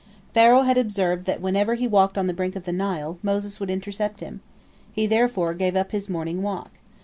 Pharaoh had observed that whenever he walked on the brink of the Nile, Moses would intercept him. He therefore gave up his morning walk.